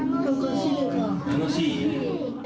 楽しい。